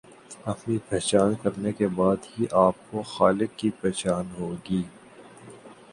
اپنی پہچان کرنے کے بعد ہی آپ کو خالق کی پہچان ہوگی